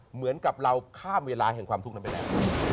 เหมือนกับเราข้ามเวลาแห่งความทุกข์นั้นไปแล้ว